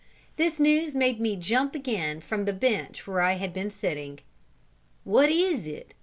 This news made me jump again from the bench where I had been sitting. "What is it?"